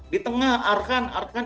di tengah arhan arhan